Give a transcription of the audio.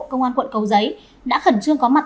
công an quận cầu giấy đã khẩn trương có mặt